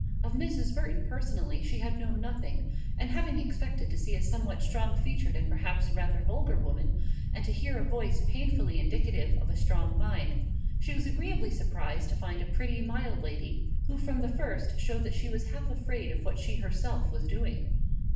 Of Mrs. Burton personally she had known nothing, and having expected to see a somewhat strong featured and perhaps rather vulgar woman, and to hear a voice painfully indicative of a strong mind, she was agreeably surprised to find a pretty, mild lady, who from the first showed that she was half afraid of what she herself was doing.